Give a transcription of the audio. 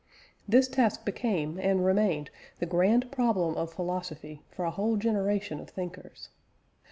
This task became and remained the grand problem of philosophy for a whole generation of thinkers.